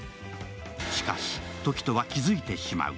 しかし、時翔は気づいてしまう。